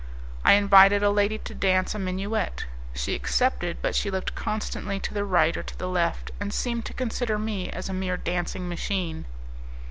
I invited a lady to dance a minuet; she accepted, but she looked constantly to the right or to the left, and seemed to consider me as a mere dancing machine.